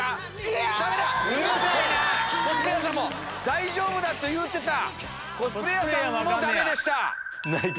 大丈夫だと言うてたコスプレーヤーさんもダメでした。